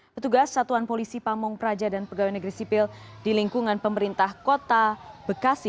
petugas satuan polisi pamung praja dan pegawai negeri sipil di lingkungan pemerintah kota bekasi